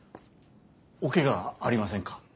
おケガはありませんか？